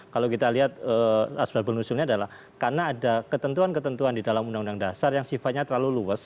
kalau kita lihat asbal bunuzulnya adalah karena ada ketentuan ketentuan di dalam undang undang dasar yang sifatnya terlalu luas